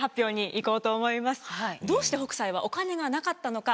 どうして北斎はお金がなかったのか。